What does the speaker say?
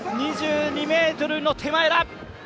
２２ｍの手前だ！